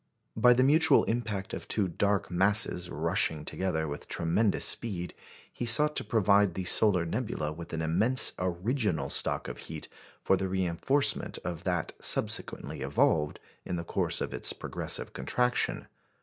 By the mutual impact of two dark masses rushing together with tremendous speed, he sought to provide the solar nebula with an immense original stock of heat for the reinforcement of that subsequently evolved in the course of its progressive contraction.